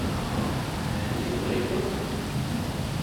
Ɛni yezwar-ikent?